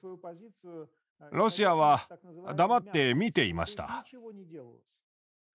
ロシアは黙って見ていました。